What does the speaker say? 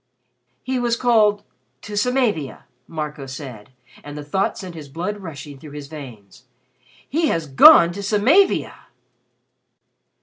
"He was called to Samavia," Marco said, and the thought sent his blood rushing through his veins. "He has gone to Samavia!"